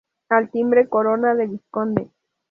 Al timbre, corona de vizconde.